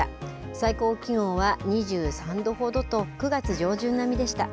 最高気温は２３度ほどと、９月上旬並みでした。